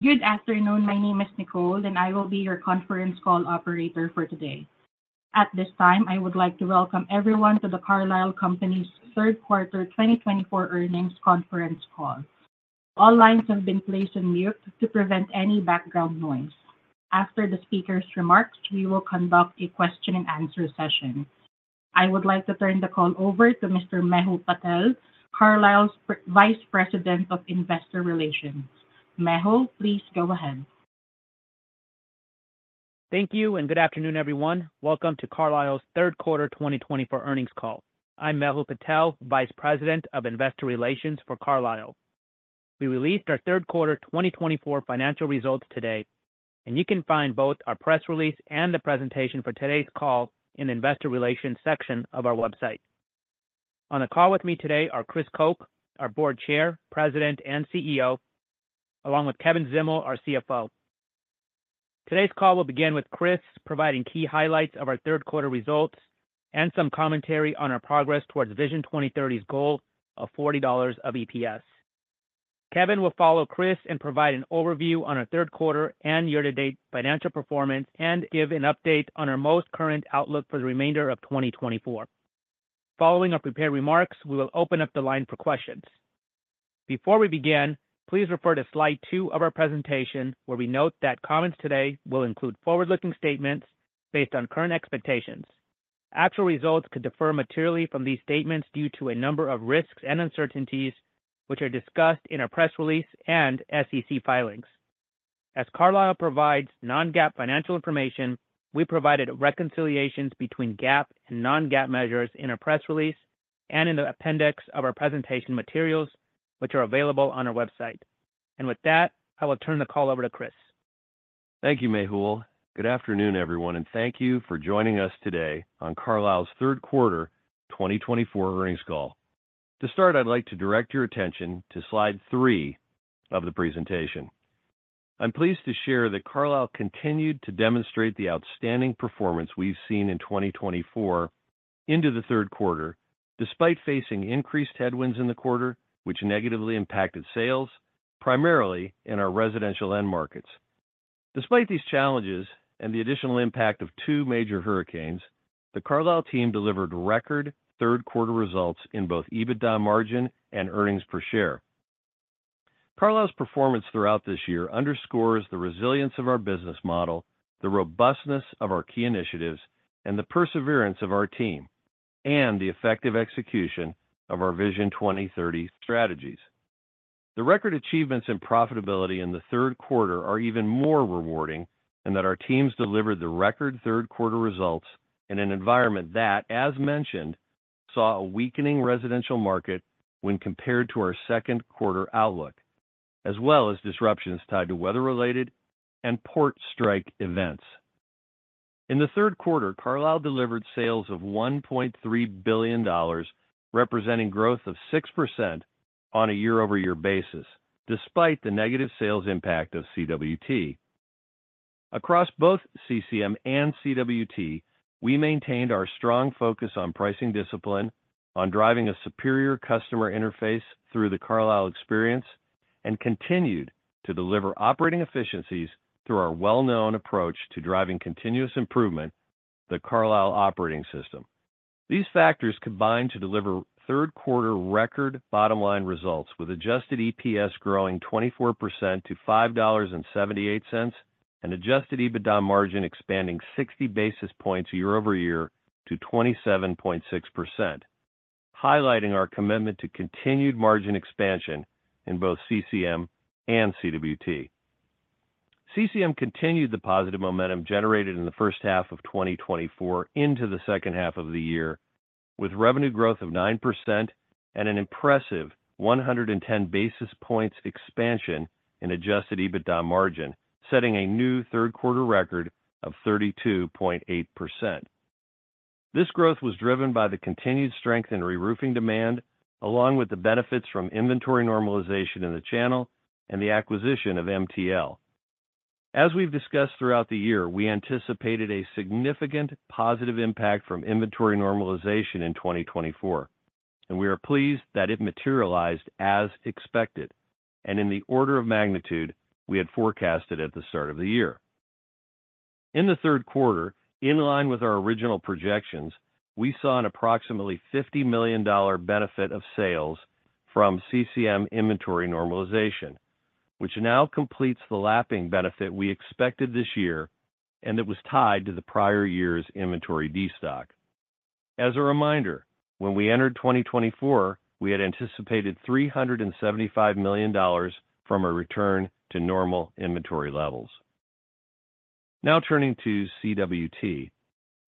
Good afternoon. My name is Nicole, and I will be your conference call operator for today. At this time, I would like to welcome everyone to the Carlisle Companies' Third Quarter 2024 Earnings Conference Call. All lines have been placed on mute to prevent any background noise. After the speaker's remarks, we will conduct a question-and-answer session. I would like to turn the call over to Mr. Mehul Patel, Carlisle's Vice President of Investor Relations. Mehul, please go ahead. Thank you, and good afternoon, everyone. Welcome to Carlisle's Third Quarter 2024 Earnings Call. I'm Mehul Patel, Vice President of Investor Relations for Carlisle. We released our third quarter 2024 financial results today, and you can find both our press release and the presentation for today's call in the investor relations section of our website. On the call with me today are Chris Koch, our Board Chair, President, and CEO, along with Kevin Zdimal, our CFO. Today's call will begin with Chris providing key highlights of our third quarter results and some commentary on our progress towards Vision 2030's goal of $40 of EPS. Kevin will follow Chris and provide an overview on our third quarter and year-to-date financial performance and give an update on our most current outlook for the remainder of 2024. Following our prepared remarks, we will open up the line for questions. Before we begin, please refer to slide two of our presentation, where we note that comments today will include forward-looking statements based on current expectations. Actual results could differ materially from these statements due to a number of risks and uncertainties, which are discussed in our press release and SEC filings. As Carlisle provides non-GAAP financial information, we provided reconciliations between GAAP and non-GAAP measures in our press release and in the appendix of our presentation materials, which are available on our website, and with that, I will turn the call over to Chris. Thank you, Mehul. Good afternoon, everyone, and thank you for joining us today on Carlisle's Third Quarter 2024 Earnings Call. To start, I'd like to direct your attention to slide three of the presentation. I'm pleased to share that Carlisle continued to demonstrate the outstanding performance we've seen in twenty twenty-four into the third quarter, despite facing increased headwinds in the quarter, which negatively impacted sales, primarily in our residential end markets. Despite these challenges and the additional impact of two major hurricanes, the Carlisle team delivered record third quarter results in both EBITDA margin and earnings per share. Carlisle's performance throughout this year underscores the resilience of our business model, the robustness of our key initiatives, and the perseverance of our team, and the effective execution of our Vision 2030 strategies. The record achievements in profitability in the third quarter are even more rewarding, in that our teams delivered the record third quarter results in an environment that, as mentioned, saw a weakening residential market when compared to our second quarter outlook, as well as disruptions tied to weather-related and port strike events. In the third quarter, Carlisle delivered sales of $1.3 billion, representing growth of 6% on a year-over-year basis, despite the negative sales impact of CWT. Across both CCM and CWT, we maintained our strong focus on pricing discipline, on driving a superior customer interface through the Carlisle Experience, and continued to deliver operating efficiencies through our well-known approach to driving continuous improvement, the Carlisle Operating System. These factors combined to deliver third-quarter record bottom-line results, with adjusted EPS growing 24% to $5.78 and adjusted EBITDA margin expanding 60 basis points year over year to 27.6%, highlighting our commitment to continued margin expansion in both CCM and CWT. CCM continued the positive momentum generated in the first half of 2024 into the second half of the year, with revenue growth of 9% and an impressive 110 basis points expansion in adjusted EBITDA margin, setting a new third-quarter record of 32.8%. This growth was driven by the continued strength in reroofing demand, along with the benefits from inventory normalization in the channel and the acquisition of MTL. As we've discussed throughout the year, we anticipated a significant positive impact from inventory normalization in 2024, and we are pleased that it materialized as expected and in the order of magnitude we had forecasted at the start of the year. In the third quarter, in line with our original projections, we saw an approximately $50 million benefit of sales from CCM inventory normalization, which now completes the lapping benefit we expected this year, and it was tied to the prior year's inventory destock. As a reminder, when we entered 2024, we had anticipated $375 million from a return to normal inventory levels. Now, turning to CWT.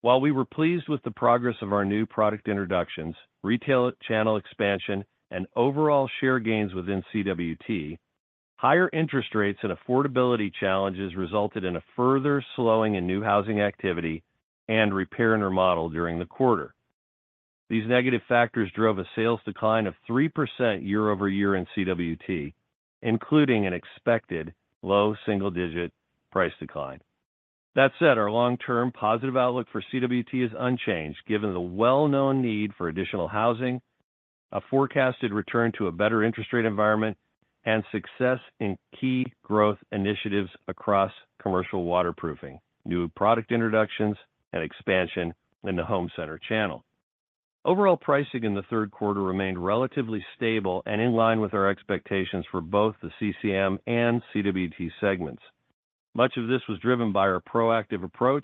While we were pleased with the progress of our new product introductions, retail channel expansion, and overall share gains within CWT, higher interest rates and affordability challenges resulted in a further slowing in new housing activity and repair and remodel during the quarter. These negative factors drove a sales decline of 3% year-over-year in CWT, including an expected low double-digit price decline.... That said, our long-term positive outlook for CWT is unchanged, given the well-known need for additional housing, a forecasted return to a better interest rate environment, and success in key growth initiatives across commercial waterproofing, new product introductions, and expansion in the home center channel. Overall pricing in the third quarter remained relatively stable and in line with our expectations for both the CCM and CWT segments. Much of this was driven by our proactive approach,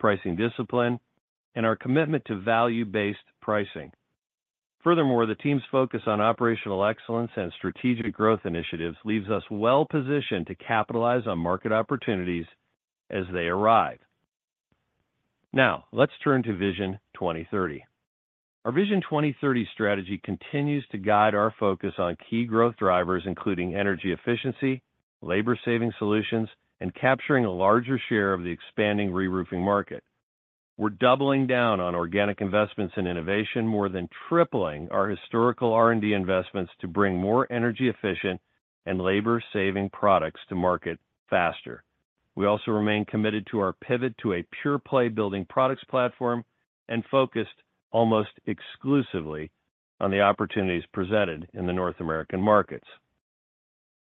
pricing discipline, and our commitment to value-based pricing. Furthermore, the team's focus on operational excellence and strategic growth initiatives leaves us well-positioned to capitalize on market opportunities as they arrive. Now, let's turn to Vision 2030. Our Vision 2030 strategy continues to guide our focus on key growth drivers, including energy efficiency, labor-saving solutions, and capturing a larger share of the expanding reroofing market. We're doubling down on organic investments and innovation, more than tripling our historical R&D investments to bring more energy-efficient and labor-saving products to market faster. We also remain committed to our pivot to a pure-play building products platform and focused almost exclusively on the opportunities presented in the North American markets.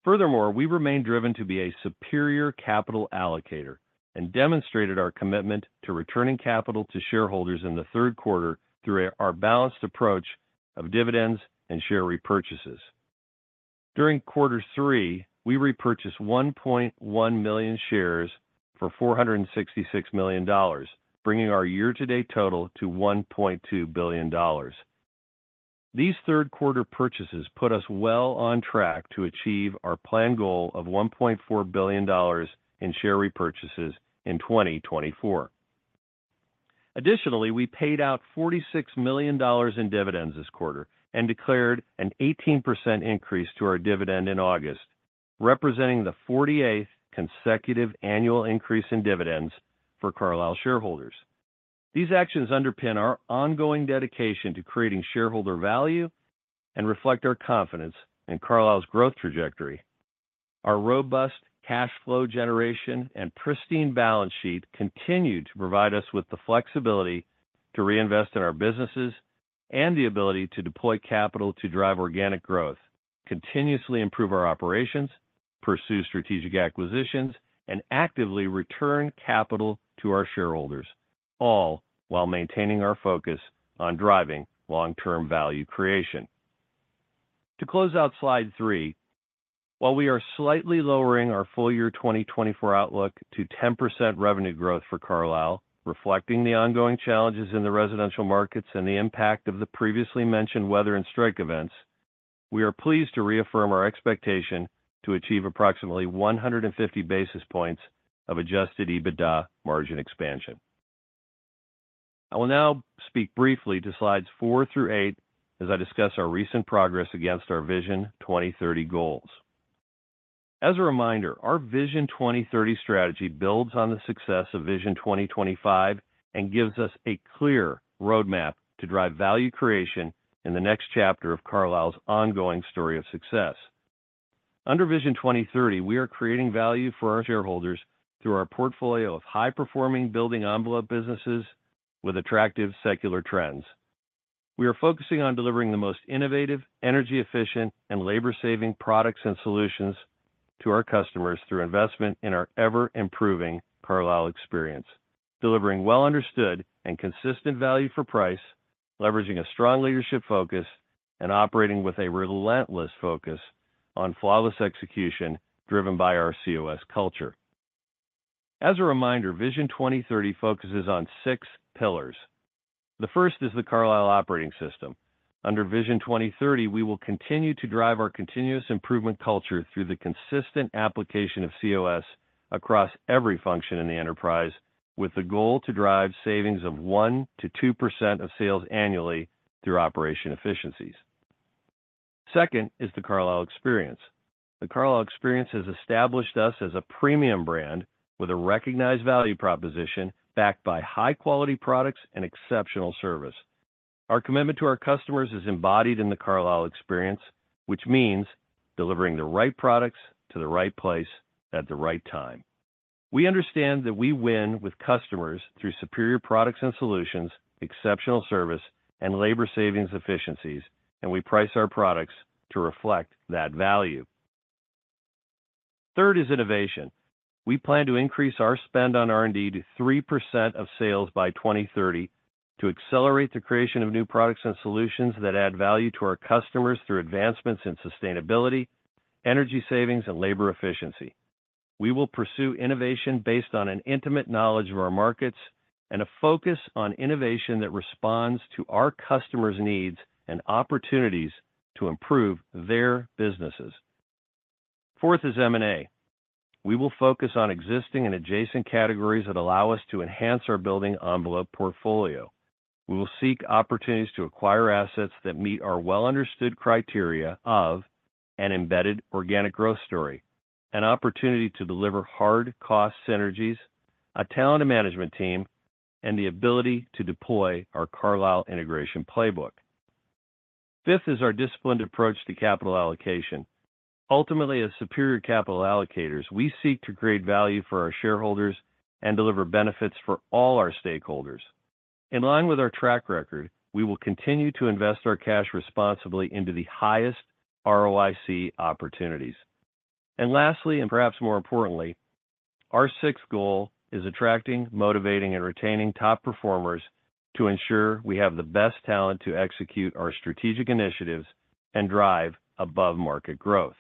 Furthermore, we remain driven to be a superior capital allocator and demonstrated our commitment to returning capital to shareholders in the third quarter through our balanced approach of dividends and share repurchases. During quarter three, we repurchased 1.1 million shares for $466 million, bringing our year-to-date total to $1.2 billion. These third quarter purchases put us well on track to achieve our planned goal of $1.4 billion in share repurchases in 2024. Additionally, we paid out $46 million in dividends this quarter and declared an 18% increase to our dividend in August, representing the 48 consecutive annual increase in dividends for Carlisle shareholders. These actions underpin our ongoing dedication to creating shareholder value and reflect our confidence in Carlisle's growth trajectory. Our robust cash flow generation and pristine balance sheet continue to provide us with the flexibility to reinvest in our businesses and the ability to deploy capital to drive organic growth, continuously improve our operations, pursue strategic acquisitions, and actively return capital to our shareholders, all while maintaining our focus on driving long-term value creation. To close out slide three, while we are slightly lowering our full-year 2024 outlook to 10% revenue growth for Carlisle, reflecting the ongoing challenges in the residential markets and the impact of the previously mentioned weather and strike events, we are pleased to reaffirm our expectation to achieve approximately 150 basis points of Adjusted EBITDA margin expansion. I will now speak briefly to slides four through eight as I discuss our recent progress against our Vision 2030 goals. As a reminder, our Vision 2030 strategy builds on the success of Vision 2025 and gives us a clear roadmap to drive value creation in the next chapter of Carlisle's ongoing story of success. Under Vision 2030, we are creating value for our shareholders through our portfolio of high-performing building envelope businesses with attractive secular trends. We are focusing on delivering the most innovative, energy-efficient, and labor-saving products and solutions to our customers through investment in our ever-improving Carlisle Experience, delivering well-understood and consistent value for price, leveraging a strong leadership focus, and operating with a relentless focus on flawless execution driven by our COS culture. As a reminder, Vision 2030 focuses on six pillars. The first is the Carlisle Operating System. Under Vision 2030, we will continue to drive our continuous improvement culture through the consistent application of COS across every function in the enterprise, with the goal to drive savings of 1%-2% of sales annually through operational efficiencies. Second is the Carlisle Experience. The Carlisle Experience has established us as a premium brand with a recognized value proposition backed by high-quality products and exceptional service. Our commitment to our customers is embodied in the Carlisle Experience, which means delivering the right products to the right place at the right time. We understand that we win with customers through superior products and solutions, exceptional service, and labor savings efficiencies, and we price our products to reflect that value. Third is innovation. We plan to increase our spend on R&D to 3% of sales by 2030 to accelerate the creation of new products and solutions that add value to our customers through advancements in sustainability, energy savings, and labor efficiency. We will pursue innovation based on an intimate knowledge of our markets and a focus on innovation that responds to our customers' needs and opportunities to improve their businesses. Fourth is M&A. We will focus on existing and adjacent categories that allow us to enhance our building envelope portfolio. We will seek opportunities to acquire assets that meet our well-understood criteria of an embedded organic growth story, an opportunity to deliver hard cost synergies, a talented management team, and the ability to deploy our Carlisle Integration Playbook. Fifth is our disciplined approach to capital allocation. Ultimately, as superior capital allocators, we seek to create value for our shareholders and deliver benefits for all our stakeholders. In line with our track record, we will continue to invest our cash responsibly into the highest ROIC opportunities. And lastly, and perhaps more importantly, our sixth goal is attracting, motivating, and retaining top performers to ensure we have the best talent to execute our strategic initiatives and drive above-market growth.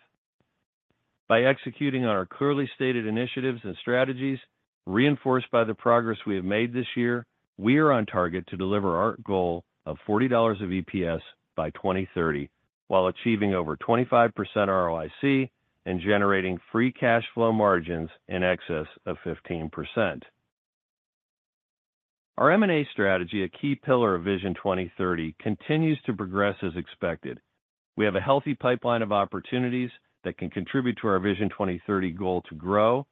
By executing on our clearly stated initiatives and strategies, reinforced by the progress we have made this year, we are on target to deliver our goal of $40 of EPS by 2030, while achieving over 25% ROIC and generating free cash flow margins in excess of 15%. Our M&A strategy, a key pillar of Vision 2030, continues to progress as expected. We have a healthy pipeline of opportunities that can contribute to our Vision 2030 goal to grow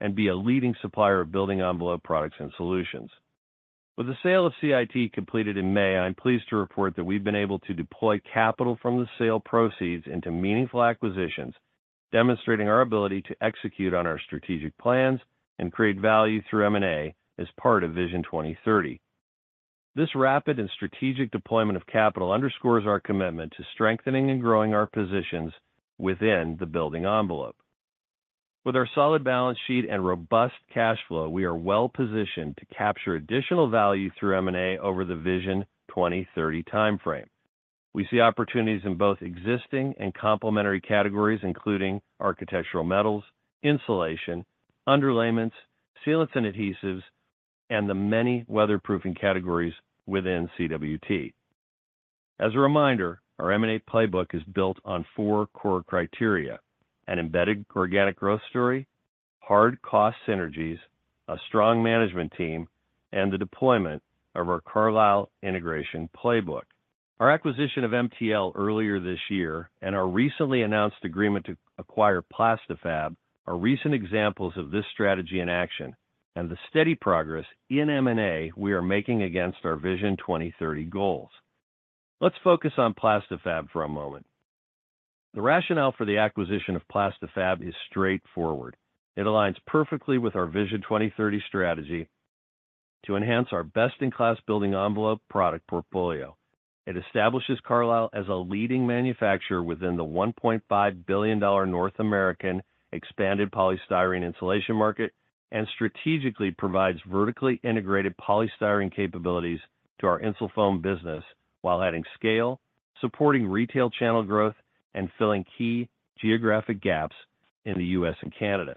and be a leading supplier of building envelope products and solutions. With the sale of CIT completed in May, I'm pleased to report that we've been able to deploy capital from the sale proceeds into meaningful acquisitions, demonstrating our ability to execute on our strategic plans and create value through M&A as part of Vision 2030. This rapid and strategic deployment of capital underscores our commitment to strengthening and growing our positions within the building envelope. With our solid balance sheet and robust cash flow, we are well-positioned to capture additional value through M&A over the Vision 2030 timeframe. We see opportunities in both existing and complementary categories, including architectural metals, insulation, underlayments, sealants and adhesives, and the many weatherproofing categories within CWT. As a reminder, our M&A playbook is built on four core criteria: an embedded organic growth story, hard cost synergies, a strong management team, and the deployment of our Carlisle Integration Playbook. Our acquisition of MTL earlier this year and our recently announced agreement to acquire Plasti-Fab are recent examples of this strategy in action and the steady progress in M&A we are making against our Vision 2030 goals. Let's focus on Plasti-Fab for a moment. The rationale for the acquisition of Plasti-Fab is straightforward. It aligns perfectly with our Vision 2030 strategy to enhance our best-in-class building envelope product portfolio. It establishes Carlisle as a leading manufacturer within the $1.5 billion North American expanded polystyrene insulation market and strategically provides vertically integrated polystyrene capabilities to our Insulfoam business while adding scale, supporting retail channel growth, and filling key geographic gaps in the U.S. and Canada.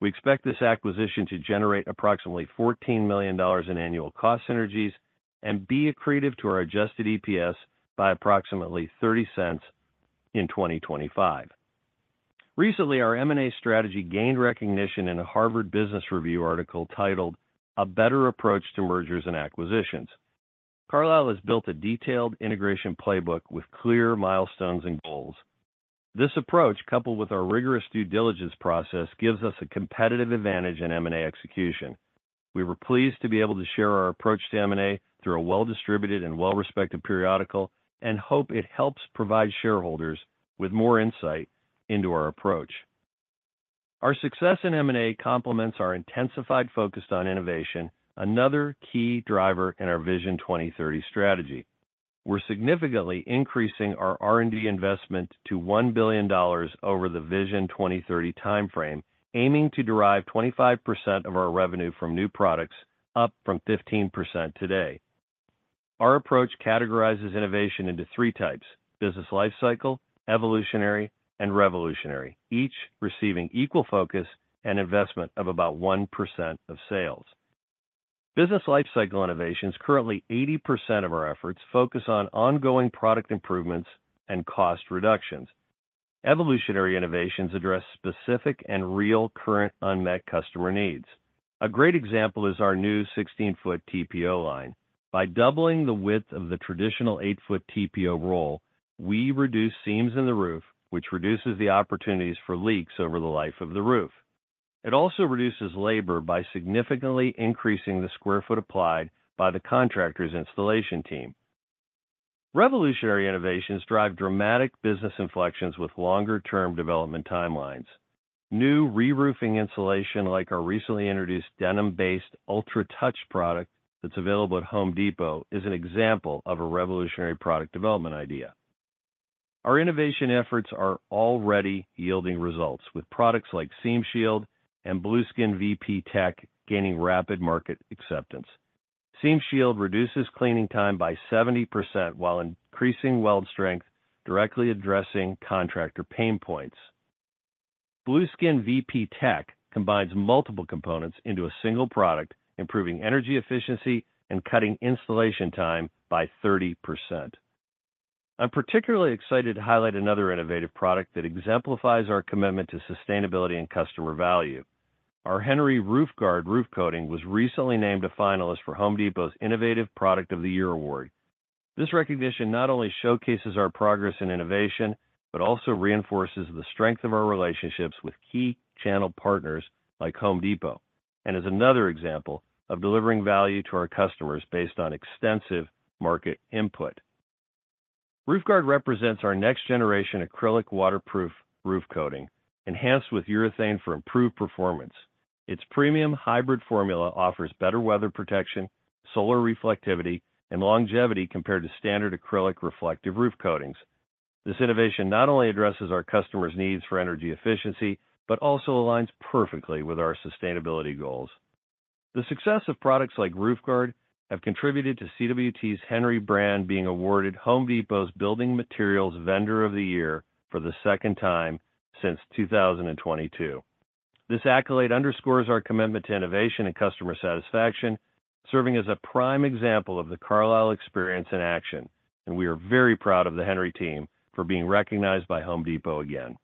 We expect this acquisition to generate approximately $14 million in annual cost synergies and be accretive to our adjusted EPS by approximately $0.30 in 2025. Recently, our M&A strategy gained recognition in a Harvard Business Review article titled A Better Approach to Mergers and Acquisitions. Carlisle has built a detailed Integration Playbook with clear milestones and goals. This approach, coupled with our rigorous due diligence process, gives us a competitive advantage in M&A execution. We were pleased to be able to share our approach to M&A through a well-distributed and well-respected periodical and hope it helps provide shareholders with more insight into our approach. Our success in M&A complements our intensified focus on innovation, another key driver in our Vision 2030 strategy. We're significantly increasing our R&D investment to $1 billion over the Vision 2030 timeframe, aiming to derive 25% of our revenue from new products, up from 15% today. Our approach categorizes innovation into three types: business lifecycle, evolutionary, and revolutionary, each receiving equal focus and investment of about 1% of sales. Business lifecycle innovations, currently 80% of our efforts, focus on ongoing product improvements and cost reductions. Evolutionary innovations address specific and real current unmet customer needs. A great example is our new 16-foot TPO line. By doubling the width of the traditional eight-foot TPO roll, we reduce seams in the roof, which reduces the opportunities for leaks over the life of the roof. It also reduces labor by significantly increasing the square foot applied by the contractor's installation team. Revolutionary innovations drive dramatic business inflections with longer-term development timelines. New reroofing insulation, like our recently introduced denim-based UltraTouch product that's available at Home Depot, is an example of a revolutionary product development idea. Our innovation efforts are already yielding results, with products like SeamShield and Blueskin VPTech gaining rapid market acceptance. SeamShield reduces cleaning time by 70% while increasing weld strength, directly addressing contractor pain points. Blueskin VPTech combines multiple components into a single product, improving energy efficiency and cutting installation time by 30%. I'm particularly excited to highlight another innovative product that exemplifies our commitment to sustainability and customer value. Our Henry Roof Guard roof coating was recently named a finalist for Home Depot's Innovative Product of the Year award. This recognition not only showcases our progress in innovation, but also reinforces the strength of our relationships with key channel partners like Home Depot, and is another example of delivering value to our customers based on extensive market input. Roof Guard represents our next-generation acrylic waterproof roof coating, enhanced with urethane for improved performance. Its premium hybrid formula offers better weather protection, solar reflectivity, and longevity compared to standard acrylic reflective roof coatings. This innovation not only addresses our customers' needs for energy efficiency, but also aligns perfectly with our sustainability goals. The success of products like Roof Guard have contributed to CWT's Henry brand being awarded Home Depot's Building Materials Vendor of the Year for the second time since 2022. This accolade underscores our commitment to innovation and customer satisfaction, serving as a prime example of The Carlisle Experience in action, and we are very proud of the Henry team for being recognized by Home Depot again.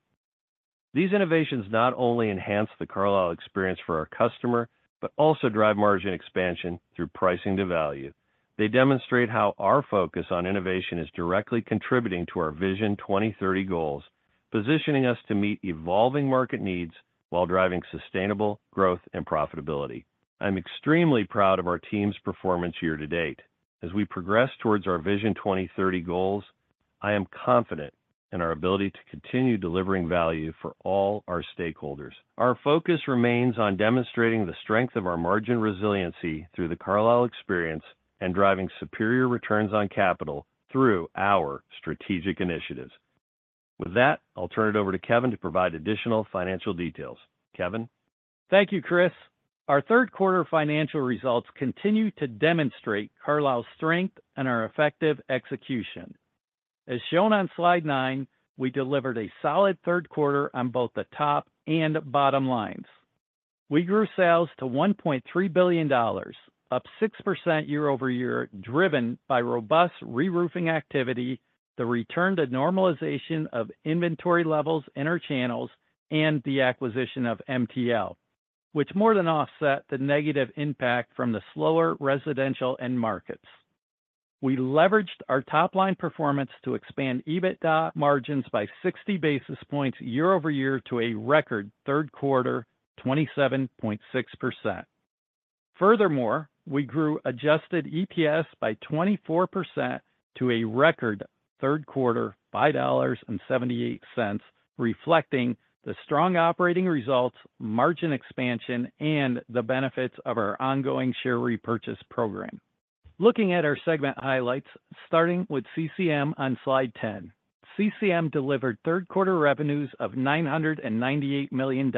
These innovations not only enhance The Carlisle Experience for our customer, but also drive margin expansion through pricing to value. They demonstrate how our focus on innovation is directly contributing to our Vision 2030 goals, positioning us to meet evolving market needs while driving sustainable growth and profitability. I'm extremely proud of our team's performance year to date. As we progress towards our Vision 2030 goals, I am confident in our ability to continue delivering value for all our stakeholders. Our focus remains on demonstrating the strength of our margin resiliency through The Carlisle Experience and driving superior returns on capital through our strategic initiatives. With that, I'll turn it over to Kevin to provide additional financial details. Kevin? Thank you, Chris. Our third quarter financial results continue to demonstrate Carlisle's strength and our effective execution. As shown on slide nine, we delivered a solid third quarter on both the top and bottom lines. We grew sales to $1.3 billion, up 6% year-over-year, driven by robust reroofing activity, the return to normalization of inventory levels in our channels, and the acquisition of MTL, which more than offset the negative impact from the slower residential end markets. We leveraged our top-line performance to expand EBITDA margins by 60 basis points year-over-year to a record third quarter, 27.6%. Furthermore, we grew adjusted EPS by 24% to a record third quarter, $5.78, reflecting the strong operating results, margin expansion, and the benefits of our ongoing share repurchase program. Looking at our segment highlights, starting with CCM on slide 10. CCM delivered third quarter revenues of $998 million,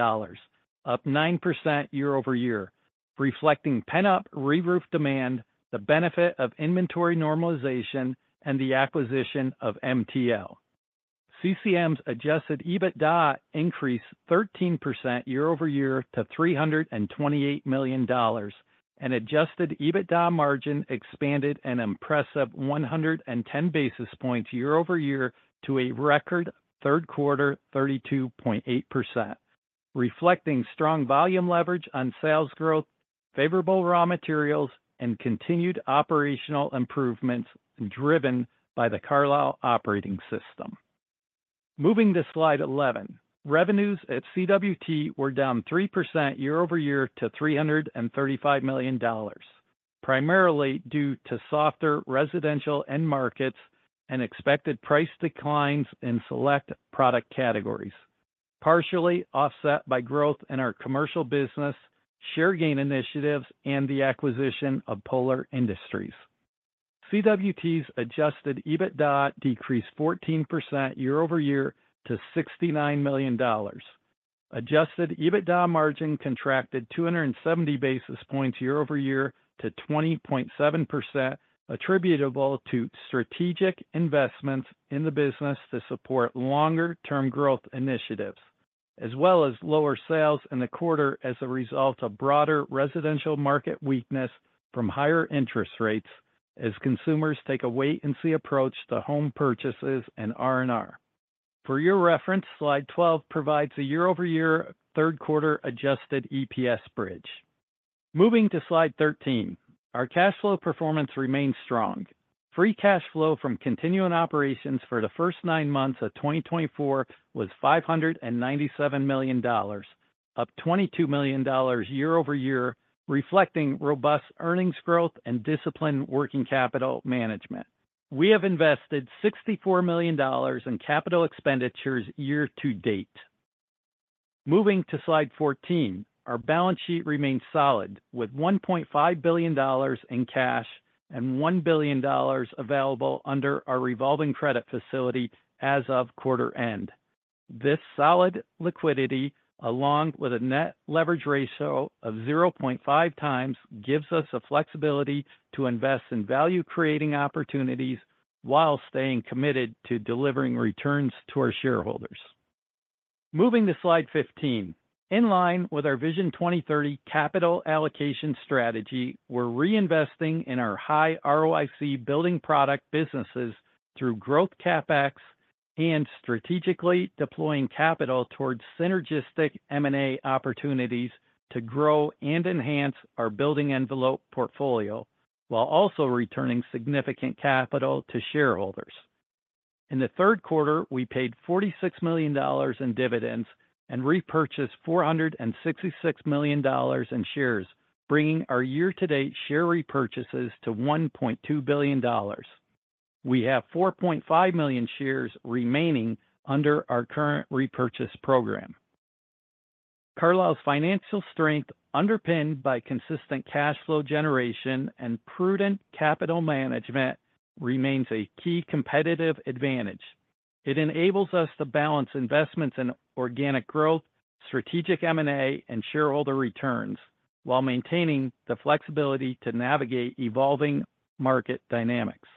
up 9% year-over-year, reflecting pent-up reroof demand, the benefit of inventory normalization, and the acquisition of MTL. CCM's adjusted EBITDA increased 13% year-over-year to $328 million, and adjusted EBITDA margin expanded an impressive 110 basis points year-over-year to a record third quarter 32.8%, reflecting strong volume leverage on sales growth, favorable raw materials, and continued operational improvements driven by the Carlisle Operating System. Moving to slide 11, revenues at CWT were down 3% year-over-year to $335 million, primarily due to softer residential end markets and expected price declines in select product categories, partially offset by growth in our commercial business, share gain initiatives, and the acquisition of Polar Industries. CWT's adjusted EBITDA decreased 14% year-over-year to $69 million. Adjusted EBITDA margin contracted 270 basis points year-over-year to 20.7%, attributable to strategic investments in the business to support longer-term growth initiatives, as well as lower sales in the quarter as a result of broader residential market weakness from higher interest rates as consumers take a wait-and-see approach to home purchases and R&R. For your reference, slide 12 provides a year-over-year third quarter adjusted EPS bridge. Moving to slide 13, our cash flow performance remains strong. Free cash flow from continuing operations for the first nine months of 2024 was $597 million, up $22 million year-over-year, reflecting robust earnings growth and disciplined working capital management. We have invested $64 million in capital expenditures year to date. Moving to slide 14, our balance sheet remains solid, with $1.5 billion in cash and $1 billion available under our revolving credit facility as of quarter end. This solid liquidity, along with a net leverage ratio of 0.5x, gives us the flexibility to invest in value-creating opportunities while staying committed to delivering returns to our shareholders. Moving to slide 15, in line with our Vision 2030 capital allocation strategy, we're reinvesting in our high ROIC building product businesses through growth CapEx and strategically deploying capital towards synergistic M&A opportunities to grow and enhance our building envelope portfolio, while also returning significant capital to shareholders. In the third quarter, we paid $46 million in dividends and repurchased $466 million in shares, bringing our year-to-date share repurchases to $1.2 billion. We have 4.5 million shares remaining under our current repurchase program. Carlisle's financial strength, underpinned by consistent cash flow generation and prudent capital management, remains a key competitive advantage. It enables us to balance investments in organic growth, strategic M&A, and shareholder returns, while maintaining the flexibility to navigate evolving market dynamics.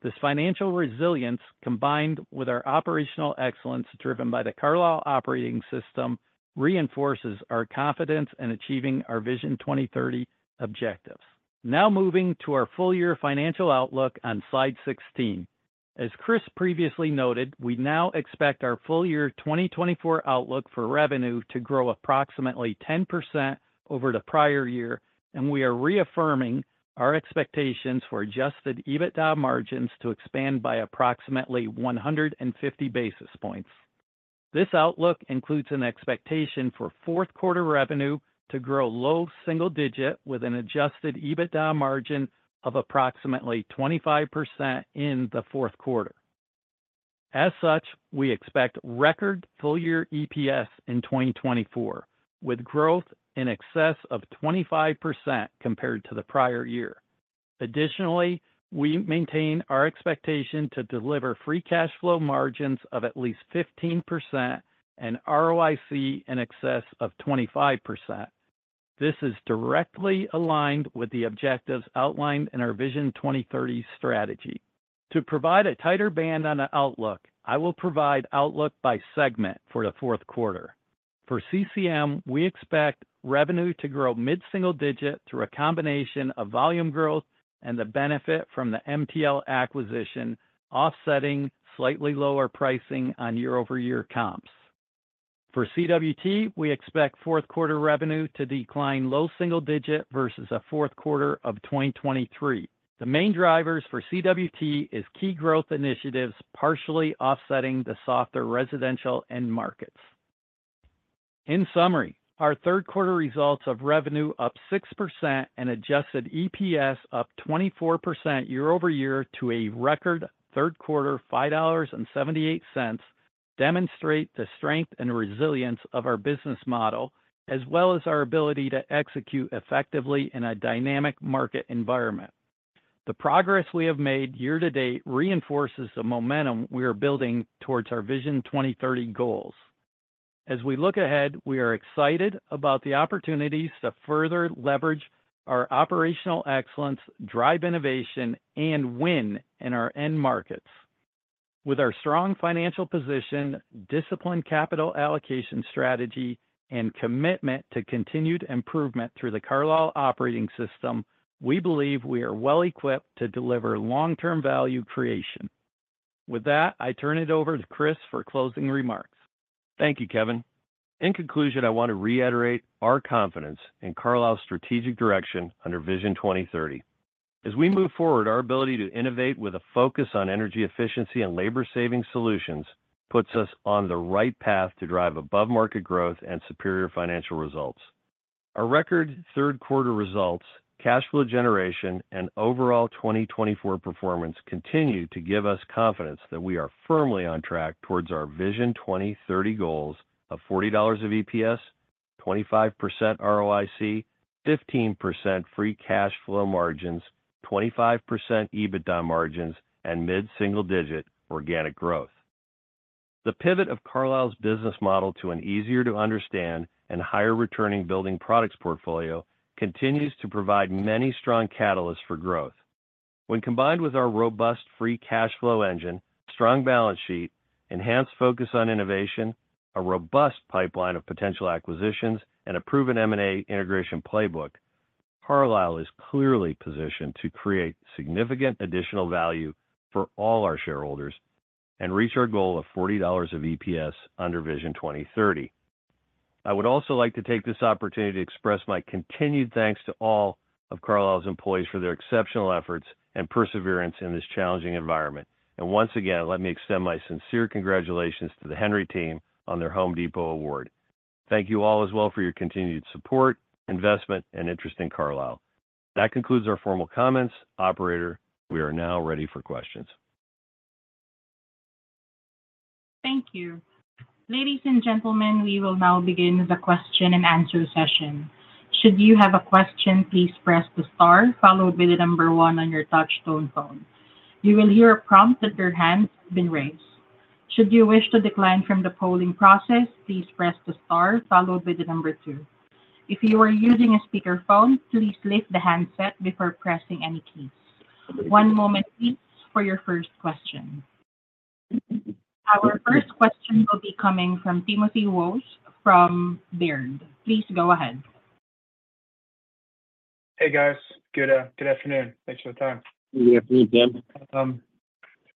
This financial resilience, combined with our operational excellence driven by the Carlisle Operating System, reinforces our confidence in achieving our Vision 2030 objectives. Now moving to our full-year financial outlook on slide 16. As Chris previously noted, we now expect our full-year 2024 outlook for revenue to grow approximately 10% over the prior year, and we are reaffirming our expectations for Adjusted EBITDA margins to expand by approximately 150 basis points. This outlook includes an expectation for fourth quarter revenue to grow low single digit, with an adjusted EBITDA margin of approximately 25% in the fourth quarter. As such, we expect record full-year EPS in 2024, with growth in excess of 25% compared to the prior year. Additionally, we maintain our expectation to deliver free cash flow margins of at least 15% and ROIC in excess of 25%. This is directly aligned with the objectives outlined in our Vision 2030 strategy. To provide a tighter band on the outlook, I will provide outlook by segment for the fourth quarter. For CCM, we expect revenue to grow mid-single digit through a combination of volume growth and the benefit from the MTL acquisition, offsetting slightly lower pricing on year-over-year comps. For CWT, we expect fourth quarter revenue to decline low single-digit versus a fourth quarter of 2023. The main drivers for CWT is key growth initiatives, partially offsetting the softer residential end markets. In summary, our third quarter results of revenue up 6% and adjusted EPS up 24% year over year to a record third quarter $5.78 demonstrate the strength and resilience of our business model, as well as our ability to execute effectively in a dynamic market environment. The progress we have made year to date reinforces the momentum we are building towards our Vision 2030 goals. As we look ahead, we are excited about the opportunities to further leverage our operational excellence, drive innovation, and win in our end markets. With our strong financial position, disciplined capital allocation strategy, and commitment to continued improvement through the Carlisle Operating System, we believe we are well-equipped to deliver long-term value creation. With that, I turn it over to Chris for closing remarks. Thank you, Kevin. In conclusion, I want to reiterate our confidence in Carlisle's strategic direction under Vision 2030. As we move forward, our ability to innovate with a focus on energy efficiency and labor-saving solutions puts us on the right path to drive above-market growth and superior financial results. Our record third quarter results, cash flow generation, and overall 2024 performance continue to give us confidence that we are firmly on track towards our Vision 2030 goals of $40 EPS, 25% ROIC, 15% free cash flow margins, 25% EBITDA margins, and mid-single-digit organic growth. The pivot of Carlisle's business model to an easier-to-understand and higher-returning building products portfolio continues to provide many strong catalysts for growth. When combined with our robust free cash flow engine, strong balance sheet, enhanced focus on innovation, a robust pipeline of potential acquisitions, and a proven M&A integration playbook, Carlisle is clearly positioned to create significant additional value for all our shareholders and reach our goal of $40 of EPS under Vision 2030. I would also like to take this opportunity to express my continued thanks to all of Carlisle's employees for their exceptional efforts and perseverance in this challenging environment. And once again, let me extend my sincere congratulations to the Henry team on their Home Depot award. Thank you all as well for your continued support, investment, and interest in Carlisle. That concludes our formal comments. Operator, we are now ready for questions. Thank you. Ladies and gentlemen, we will now begin the question and answer session. Should you have a question, please press the star, followed by the number one on your touchtone phone. You will hear a prompt that your hand has been raised. Should you wish to decline from the polling process, please press the star followed by the number two. If you are using a speakerphone, please lift the handset before pressing any keys. One moment, please, for your first question. Our first question will be coming from Timothy Wojs from Baird. Please go ahead. Hey, guys. Good afternoon. Thanks for your time. Good afternoon, Tim.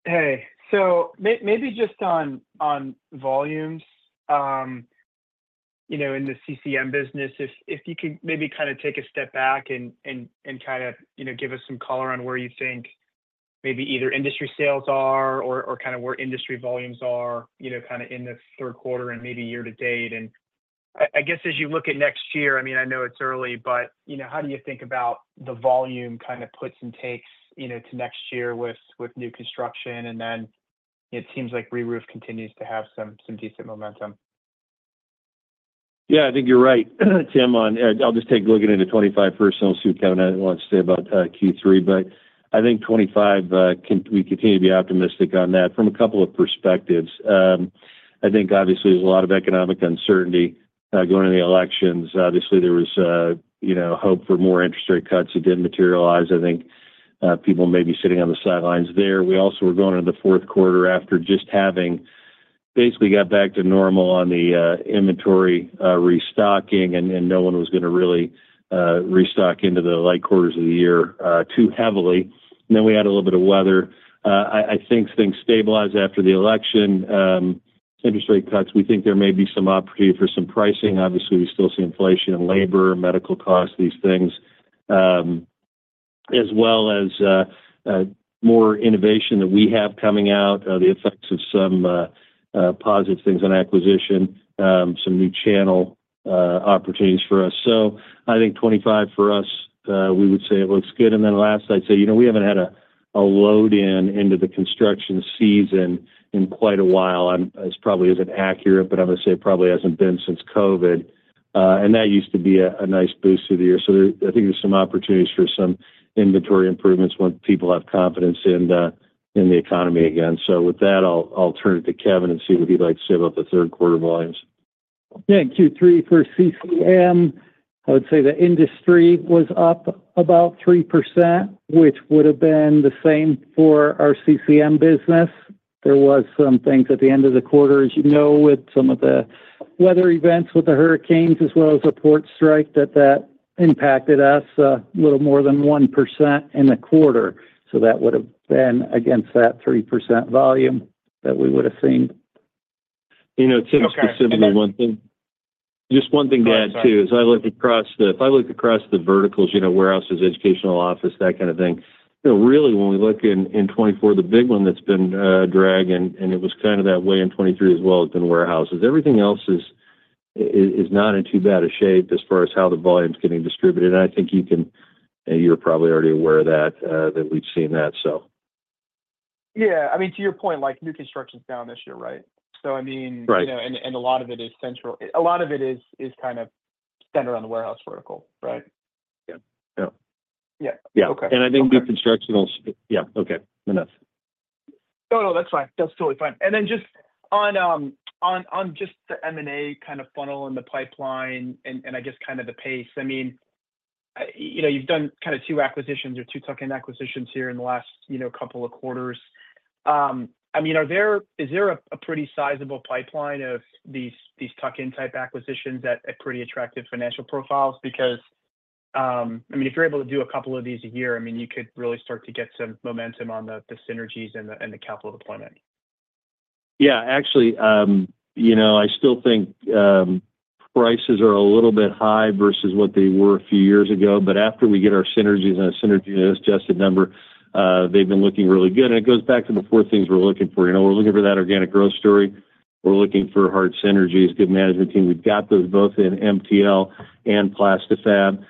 Hey, so maybe just on volumes, you know, in the CCM business, if you could maybe kind of take a step back and kind of, you know, give us some color on where you think maybe either industry sales are or kind of where industry volumes are, you know, kind of in this third quarter and maybe year to date. I guess, as you look at next year, I mean, I know it's early, but, you know, how do you think about the volume kind of puts and takes, you know, to next year with new construction? It seems like reroof continues to have some decent momentum. Yeah, I think you're right, Tim, on. I'll just take a look into 2025 first and we'll see what Kevin has to say about Q3. But I think 2025, we continue to be optimistic on that from a couple of perspectives. I think obviously, there's a lot of economic uncertainty going to the elections. Obviously, there was you know, hope for more interest rate cuts that didn't materialize. I think people may be sitting on the sidelines there. We also were going into the fourth quarter after just having basically got back to normal on the inventory restocking, and no one was gonna really restock into the light quarters of the year too heavily. And then we had a little bit of weather. I think things stabilized after the election. Interest rate cuts, we think there may be some opportunity for some pricing. Obviously, we still see inflation in labor, medical costs, these things. As well as, more innovation that we have coming out, the effects of some, positive things on acquisition, some new channel, opportunities for us. So I think 2025 for us, we would say it looks good. And then last, I'd say, you know, we haven't had a load-in into the construction season in quite a while, and this probably isn't accurate, but I'm gonna say it probably hasn't been since COVID. And that used to be a nice boost to the year. So there, I think there's some opportunities for some inventory improvements when people have confidence in the economy again. So with that, I'll turn it to Kevin and see what he'd like to say about the third quarter volumes. Yeah, Q3 for CCM, I would say the industry was up about 3%, which would've been the same for our CCM business. There was some things at the end of the quarter, as you know, with some of the weather events, with the hurricanes, as well as the port strike, that impacted us a little more than 1% in the quarter. So that would've been against that 3% volume that we would've seen. You know, Tim, specifically, one thing, just one thing to add, too. Okay. As I look across the verticals, you know, warehouses, educational, office, that kind of thing, you know, really, when we look in 2024, the big one that's been dragging, and it was kind of that way in 2023 as well, has been warehouses. Everything else is not in too bad a shape as far as how the volume's getting distributed. And I think you can. You're probably already aware of that, that we've seen that, so. Yeah. I mean, to your point, like, new construction's down this year, right? So I mean... Right. You know, and a lot of it is central. A lot of it is kind of centered around the warehouse vertical, right? Yeah. Yeah. Yeah. Okay. I think new construction will... Yeah, okay. Enough. No, no, that's fine. That's totally fine. And then just on the M&A kind of funnel and the pipeline and I guess kind of the pace, I mean, you know, you've done kind of two acquisitions or two tuck-in acquisitions here in the last, you know, couple of quarters. I mean, is there a pretty sizable pipeline of these tuck-in type acquisitions at pretty attractive financial profiles? Because, I mean, if you're able to do a couple of these a year, I mean, you could really start to get some momentum on the synergies and the capital deployment. Yeah, actually, you know, I still think prices are a little bit high versus what they were a few years ago. But after we get our synergies and our synergy and adjusted number, they've been looking really good. And it goes back to the four things we're looking for. You know, we're looking for that organic growth story. We're looking for hard synergies, good management team. We've got those both in MTL and Plasti-Fab.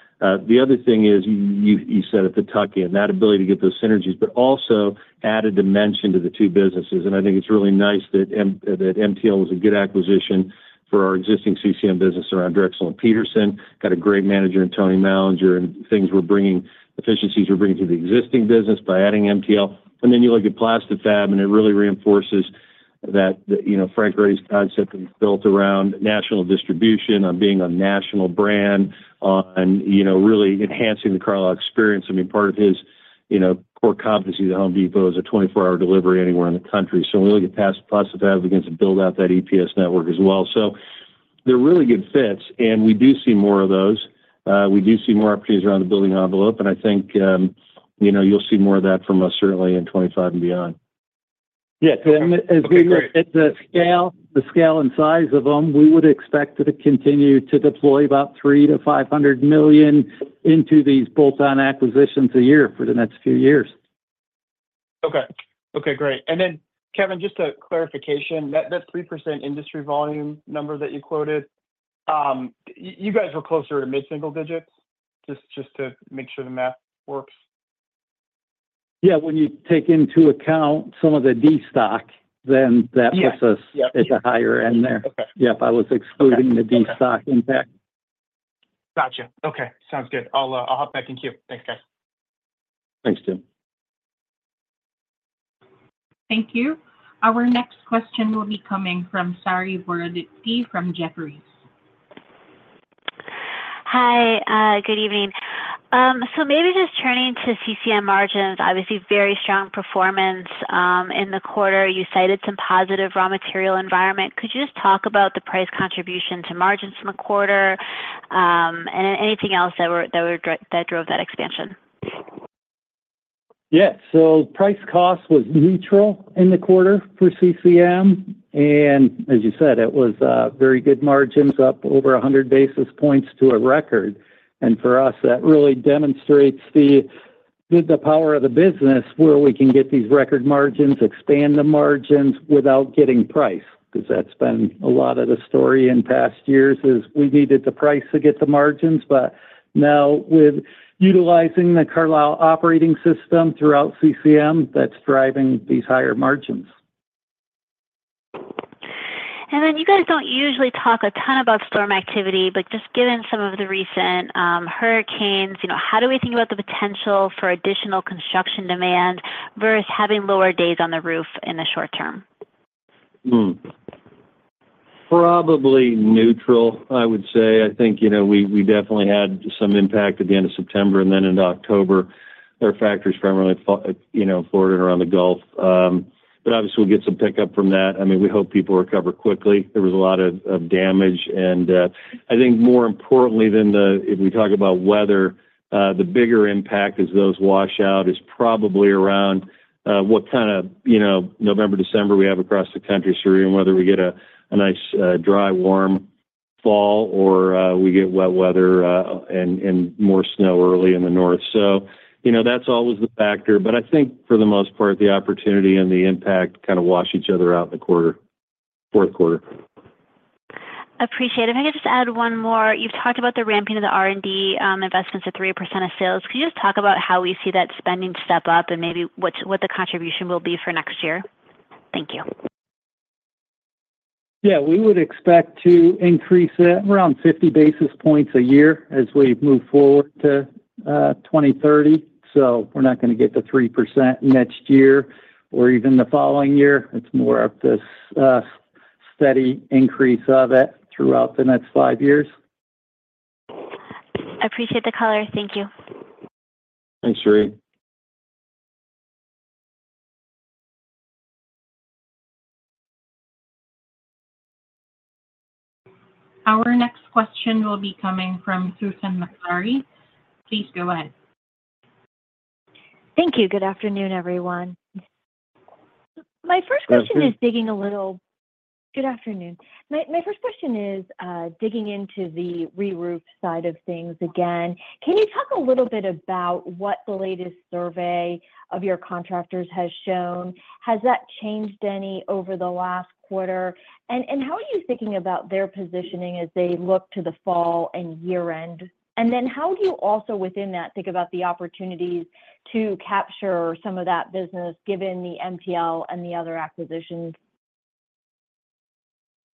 The other thing is, you said it, the tuck-in, that ability to get those synergies, but also add a dimension to the two businesses. And I think it's really nice that that MTL is a good acquisition for our existing CCM business around Drexel and Petersen. Got a great manager in Tony Mallinger, and things we're bringing efficiencies to the existing business by adding MTL. And then you look at Plasti-Fab, and it really reinforces that, you know, Frank Blake's concept is built around national distribution, on being a national brand, on, you know, really enhancing the Carlisle Experience. I mean, part of his, you know, core competency at Home Depot is a 24-hour delivery anywhere in the country. So when we look at past Plasti-Fab, we're going to build out that EPS network as well. So they're really good fits, and we do see more of those. We do see more opportunities around the building envelope, and I think, you know, you'll see more of that from us, certainly in 2025 and beyond. Yes, and as we look at the scale, the scale and size of them, we would expect to continue to deploy about $300 million-$500 million into these bolt-on acquisitions a year for the next few years. Okay. Okay, great. And then, Kevin, just a clarification, that 3% industry volume number that you quoted, you guys were closer to mid-single digits? Just to make sure the math works. Yeah, when you take into account some of the destock, then that puts us- Yeah... at the higher end there. Okay. Yeah, if I was excluding the destock impact. Gotcha. Okay, sounds good. I'll hop back in queue. Thanks, guys. Thanks, Tim. Thank you. Our next question will be coming from Saree Boroditsky from Jefferies. Hi. Good evening. So maybe just turning to CCM margins, obviously very strong performance in the quarter. You cited some positive raw material environment. Could you just talk about the price contribution to margins from the quarter, and anything else that drove that expansion? Yes, so price cost was neutral in the quarter for CCM, and as you said, it was very good margins, up over a hundred basis points to a record. And for us, that really demonstrates the power of the business, where we can get these record margins, expand the margins without getting price, 'cause that's been a lot of the story in past years, is we needed the price to get the margins, but now with utilizing the Carlisle Operating System throughout CCM, that's driving these higher margins. Then you guys don't usually talk a ton about storm activity, but just given some of the recent hurricanes, you know, how do we think about the potential for additional construction demand versus having lower days on the roof in the short term? Probably neutral, I would say. I think, you know, we, we definitely had some impact at the end of September, and then into October. There are factories primarily, you know, Florida and around the Gulf but obviously we'll get some pickup from that. I mean, we hope people recover quickly. There was a lot of damage, and I think more importantly than the if we talk about weather, the bigger impact as those wash out, is probably around what kind of, you know, November, December we have across the country, Sheree, and whether we get a nice dry, warm fall or we get wet weather, and more snow early in the north. You know, that's always the factor, but I think for the most part, the opportunity and the impact kind of wash each other out in the quarter, fourth quarter. Appreciate it. If I could just add one more. You've talked about the ramping of the R&D investments at 3% of sales. Can you just talk about how we see that spending step up and maybe what the contribution will be for next year? Thank you. Yeah, we would expect to increase it around 50 basis points a year as we move forward to 2030. So we're not gonna get to 3% next year or even the following year. It's more of this steady increase of it throughout the next five years. I appreciate the color. Thank you. Thanks, Seree. Our next question will be coming from Susan Maklari. Please go ahead. Thank you. Good afternoon, everyone. My first question- Go ahead, Sue. Good afternoon. My first question is digging into the reroof side of things again. Can you talk a little bit about what the latest survey of your contractors has shown? Has that changed any over the last quarter? And how are you thinking about their positioning as they look to the fall and year-end? And then how do you also, within that, think about the opportunities to capture some of that business, given the MTL and the other acquisitions?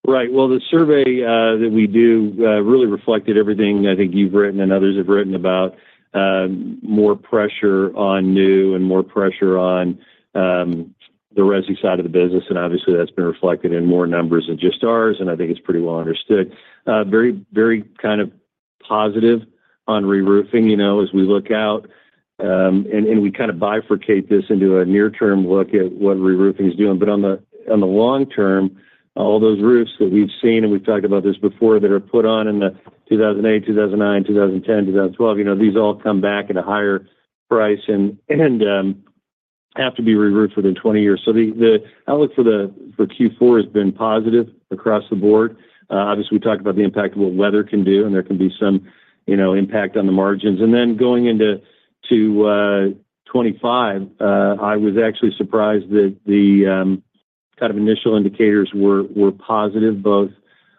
Right. Well, the survey that we do really reflected everything I think you've written and others have written about, more pressure on new and more pressure on the resi side of the business, and obviously, that's been reflected in more numbers than just ours, and I think it's pretty well understood. Very, very kind of positive on reroofing, you know, as we look out, and we kind of bifurcate this into a near-term look at what reroofing is doing. But on the long term, all those roofs that we've seen, and we've talked about this before, that are put on in the 2008, 2009, 2010, 2012, you know, these all come back at a higher price and have to be reroofed within 20 years. So the outlook for Q4 has been positive across the board. Obviously, we talked about the impact of what weather can do, and there can be some, you know, impact on the margins, and then going into 2025, I was actually surprised that the kind of initial indicators were positive, both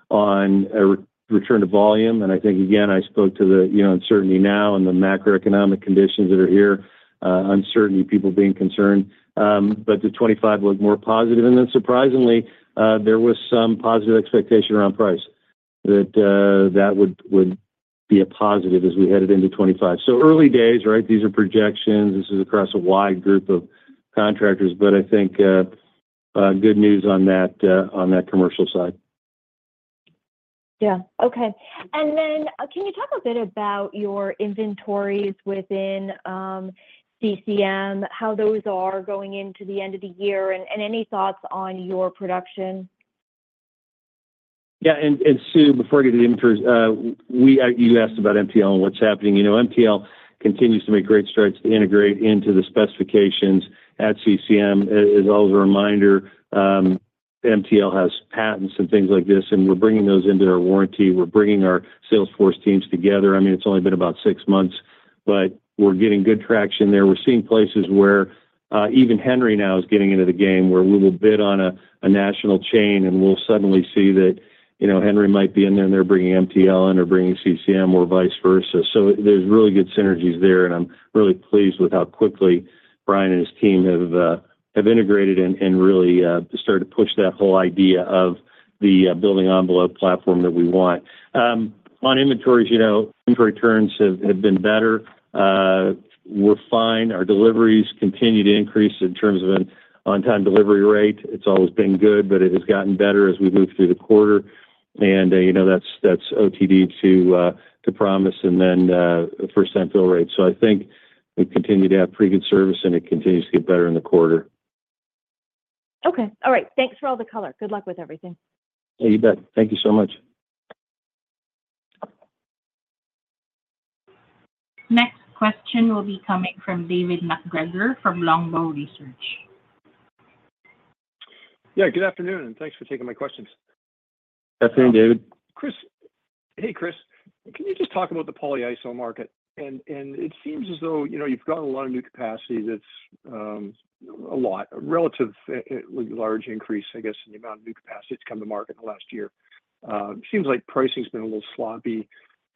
on a return to volume, and I think, again, I spoke to the, you know, uncertainty now and the macroeconomic conditions that are here, uncertainty, people being concerned, but the 2025 looked more positive, and then surprisingly, there was some positive expectation around price, that that would be a positive as we headed into 2025, so early days, right? These are projections. This is across a wide group of contractors, but I think good news on that commercial side. Yeah. Okay. And then, can you talk a bit about your inventories within CCM, how those are going into the end of the year, and any thoughts on your production? Yeah, Sue, before I get to the inventories, you asked about MTL and what's happening. You know, MTL continues to make great strides to integrate into the specifications at CCM. As well as a reminder, MTL has patents and things like this, and we're bringing those into our warranty. We're bringing our salesforce teams together. I mean, it's only been about six months, but we're getting good traction there. We're seeing places where even Henry now is getting into the game, where we will bid on a national chain, and we'll suddenly see that, you know, Henry might be in there, and they're bringing MTL in or bringing CCM or vice versa. So there's really good synergies there, and I'm really pleased with how quickly Brian and his team have integrated and really started to push that whole idea of the building envelope platform that we want. On inventories, you know, inventory turns have been better. We're fine. Our deliveries continue to increase in terms of an on-time delivery rate. It's always been good, but it has gotten better as we've moved through the quarter. And, you know, that's OTD to promise and then first time fill rate. So I think we continue to have pretty good service, and it continues to get better in the quarter. Okay. All right. Thanks for all the color. Good luck with everything. Yeah, you bet. Thank you so much. Next question will be coming from David MacGregor from Longbow Research. Yeah, good afternoon, and thanks for taking my questions. Good afternoon, David. Chris... Hey, Chris, can you just talk about the polyiso market? And it seems as though, you know, you've got a lot of new capacity that's a relatively large increase, I guess, in the amount of new capacity to come to market in the last year. It seems like pricing's been a little sloppy.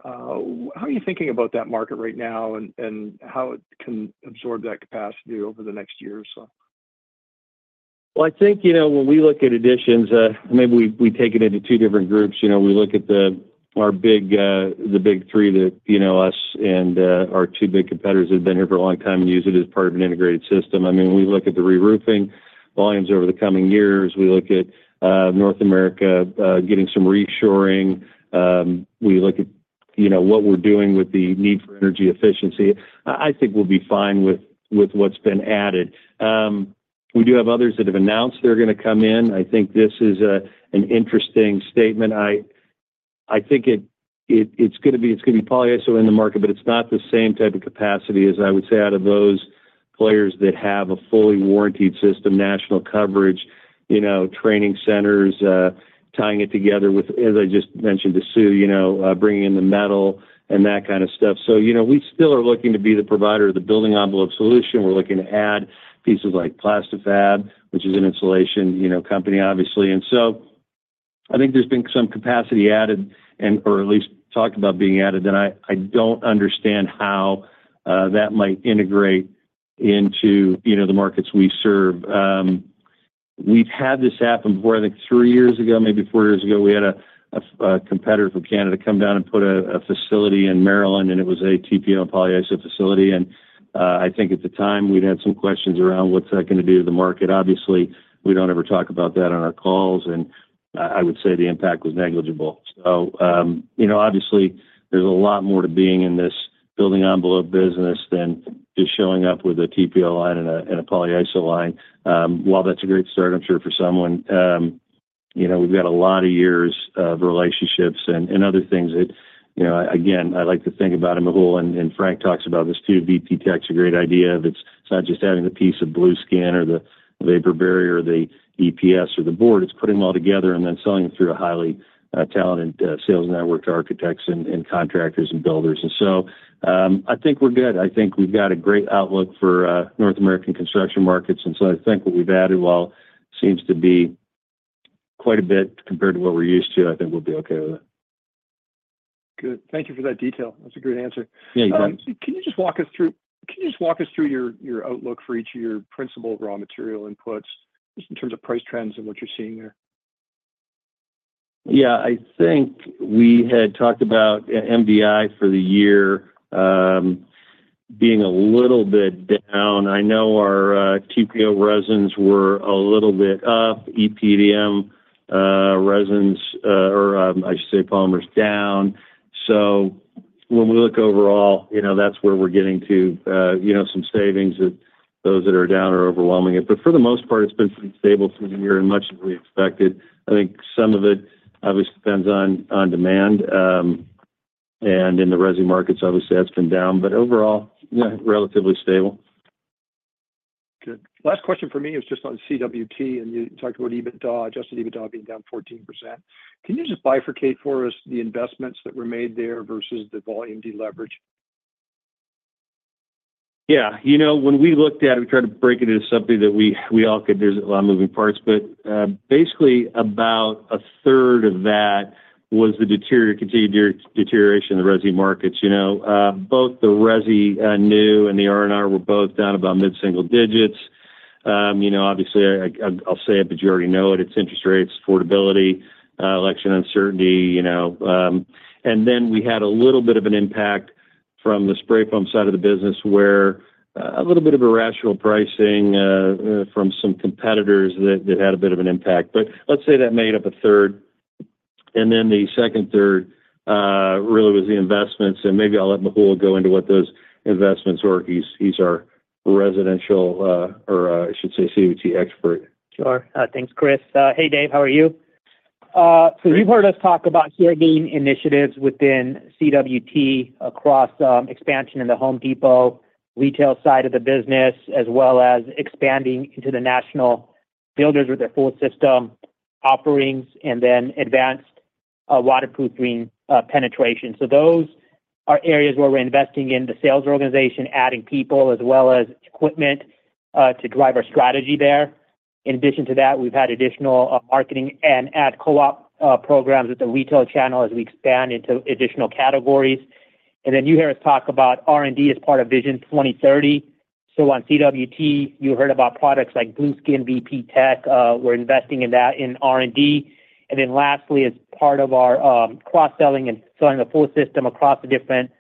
How are you thinking about that market right now, and how it can absorb that capacity over the next year or so? Well, I think, you know, when we look at additions, maybe we take it into two different groups. You know, we look at our big, the big three that, you know, us and our two big competitors have been here for a long time and use it as part of an integrated system. I mean, we look at the reroofing volumes over the coming years. We look at North America getting some reshoring. We look at, you know, what we're doing with the need for energy efficiency. I think we'll be fine with what's been added. We do have others that have announced they're gonna come in. I think this is an interesting statement. I think it's gonna be polyiso in the market, but it's not the same type of capacity as I would say out of those players that have a fully warranted system, national coverage, you know, training centers, tying it together with, as I just mentioned to Sue, you know, bringing in the metal and that kind of stuff. So, you know, we still are looking to be the provider of the building envelope solution. We're looking to add pieces like Plasti-Fab, which is an insulation, you know, company, obviously. And so I think there's been some capacity added and, or at least talked about being added, and I don't understand how that might integrate into, you know, the markets we serve. We've had this happen before. I think three years ago, maybe four years ago, we had a competitor from Canada come down and put a facility in Maryland, and it was a TPO-Polyiso facility, and I think at the time, we'd had some questions around what's that gonna do to the market? Obviously, we don't ever talk about that on our calls, and I would say the impact was negligible. You know, obviously, there's a lot more to being in this building envelope business than just showing up with a TPO line and a polyiso line. While that's a great start, I'm sure for someone, you know, we've got a lot of years of relationships and other things that, you know, again, I like to think about Mehul, and Frank talks about this too. VPTech's a great idea. That's not just adding the piece of Blueskin or the vapor barrier or the EPS or the board. It's putting them all together and then selling it through a highly talented sales network to architects and contractors and builders. And so, I think we're good. I think we've got a great outlook for North American construction markets, and so I think what we've added, while seems to be quite a bit compared to what we're used to, I think we'll be okay with it. Good. Thank you for that detail. That's a great answer. Yeah, you got it. Can you just walk us through your, your outlook for each of your principal raw material inputs, just in terms of price trends and what you're seeing there? Yeah. I think we had talked about MDI for the year, being a little bit down. I know our TPO resins were a little bit up, EPDM resins, I should say polymers down. So when we look overall, you know, that's where we're getting to, you know, some savings that those that are down are overwhelming it. But for the most part, it's been pretty stable through the year and much as we expected. I think some of it obviously depends on on demand, and in the resi markets, obviously, that's been down, but overall, yeah, relatively stable. Good. Last question for me is just on CWT, and you talked about EBITDA, Adjusted EBITDA being down 14%. Can you just bifurcate for us the investments that were made there versus the volume deleverage? Yeah. You know, when we looked at it, we tried to break it into something that we all could digest a lot of moving parts, but basically, about a third of that was the continued deterioration in the resi markets. You know, both the resi new and the R&R were both down about mid-single digits. You know, obviously, I'll say it, but you already know it. It's interest rates, affordability, election uncertainty, you know, and then we had a little bit of an impact from the spray foam side of the business, where a little bit of irrational pricing from some competitors that had a bit of an impact. But let's say that made up a third, and then the second third really was the investments, and maybe I'll let Mehul go into what those investments were. He's our residential, or I should say, CWT expert. Sure. Thanks, Chris. Hey, Dave, how are you? So you've heard us talk about key initiatives within CWT across expansion in The Home Depot, retail side of the business, as well as expanding into the national builders with their full system offerings, and then advanced waterproofing penetration. So those are areas where we're investing in the sales organization, adding people as well as equipment to drive our strategy there. In addition to that, we've had additional marketing and ad co-op programs with the retail channel as we expand into additional categories. And then you hear us talk about R&D as part of Vision 2030. So on CWT, you heard about products like Blueskin VPTech. We're investing in that in R&D. And then lastly, as part of our cross-selling and selling the full system across the different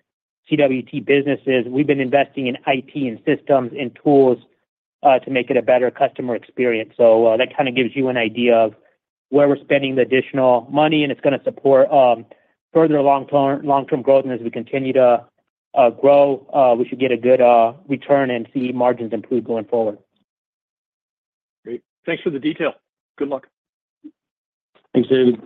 CWT businesses, we've been investing in IT and systems and tools to make it a better customer experience. So, that kind of gives you an idea of where we're spending the additional money, and it's gonna support further long-term, long-term growth. And as we continue to grow, we should get a good return and see margins improve going forward. Great. Thanks for the detail. Good luck. Thanks, David.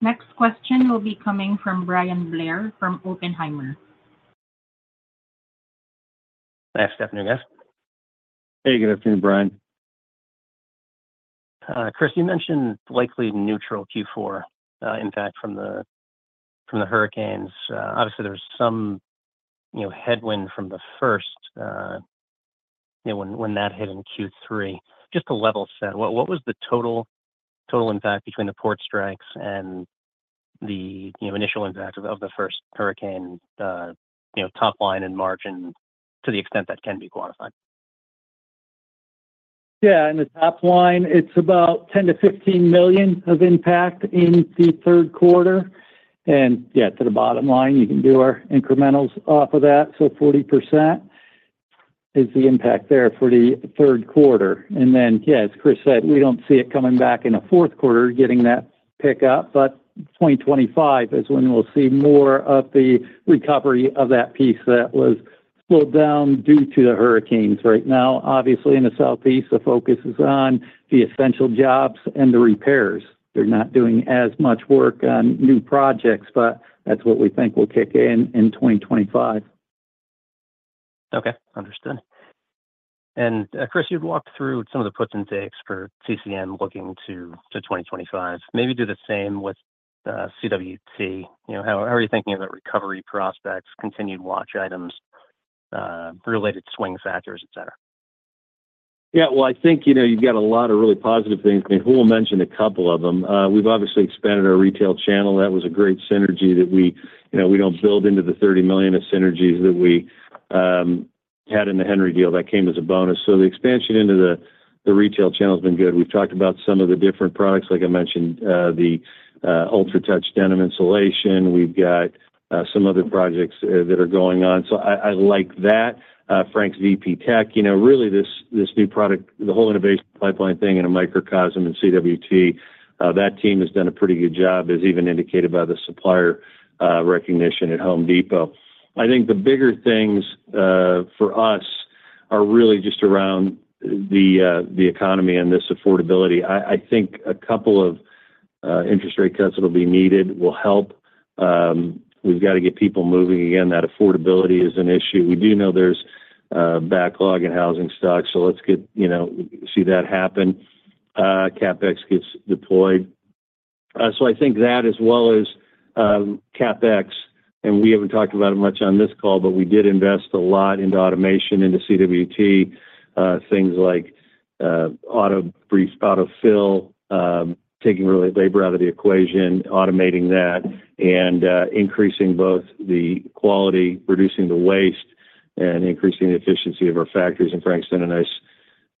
Next question will be coming from Bryan Blair from Oppenheimer. Hi, good afternoon, guys. Hey, good afternoon, Bryan. Chris, you mentioned likely neutral Q4 impact from the hurricanes. Obviously, there's some, you know, headwind from the first, you know, when that hit in Q3. Just to level set, what was the total impact between the port strikes and the, you know, initial impact of the first hurricane, you know, top line and margin to the extent that can be quantified? Yeah, in the top line, it's about $10 million-$15 million of impact in the third quarter. And yeah, to the bottom line, you can do our incrementals off of that. So 40% is the impact there for the third quarter. And then, yeah, as Chris said, we don't see it coming back in the fourth quarter, getting that pick up. But 2025 is when we'll see more of the recovery of that piece that was slowed down due to the hurricanes. Right now, obviously, in the Southeast, the focus is on the essential jobs and the repairs. They're not doing as much work on new projects, but that's what we think will kick in in 2025. Okay. Understood, and, Chris, you've walked through some of the puts and takes for CCM looking to 2025. Maybe do the same with CWT. You know, how are you thinking about recovery prospects, continued watch items, related swing factors, et cetera? Yeah, well, I think, you know, you've got a lot of really positive things. I mean, Hull mentioned a couple of them. We've obviously expanded our retail channel. That was a great synergy that we, you know, we don't build into the $30 million of synergies that we had in the Henry deal. That came as a bonus. So the expansion into the retail channel has been good. We've talked about some of the different products, like I mentioned, the UltraTouch Denim insulation. We've got some other projects that are going on. So I like that. Frank's VPTech, you know, really, this new product, the whole innovation pipeline thing in a microcosm in CWT, that team has done a pretty good job, as even indicated by the supplier recognition at Home Depot. I think the bigger things for us are really just around the economy and this affordability. I think a couple of interest rate cuts that will be needed will help. We've got to get people moving again, that affordability is an issue. We do know there's a backlog in housing stock, so let's get you know see that happen, CapEx gets deployed. So I think that as well as CapEx, and we haven't talked about it much on this call, but we did invest a lot into automation, into CWT, things like auto fill, taking really labor out of the equation, automating that, and increasing both the quality, reducing the waste, and increasing the efficiency of our factories. And Frank's done a nice